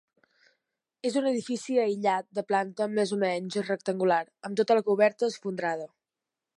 És un edifici aïllat de planta més o menys rectangular, amb tota la coberta esfondrada.